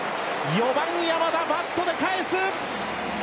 ４番山田、バットで返す。